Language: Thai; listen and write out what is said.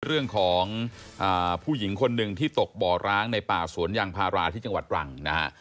เรื่องของผู้หญิงคนหนึ่งที่ตกบ่อร้างในป่าสวนยางพาราที่จังหวัดตรังนะฮะ